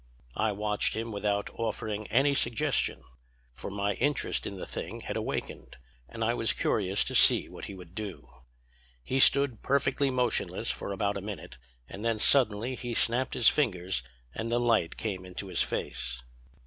"I watched him without offering any suggestion, for my interest in the thing had awakened and I was curious to see what he would do. He stood perfectly motionless for about a minute; and then suddenly he snapped his fingers and the light came into his face.